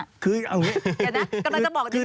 กำลังจะบอกจริงว่าอะไรคะ